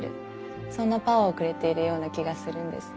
そんなパワーをくれているような気がするんです。